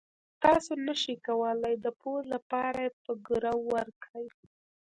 تاسو نشئ کولای د پور لپاره یې په ګرو ورکړئ.